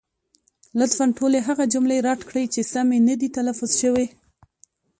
لطفا ټولې هغه جملې رد کړئ، چې سمې نه دي تلفظ شوې.